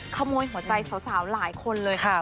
ขโมยหัวใจสาวหลายคนเลยค่ะ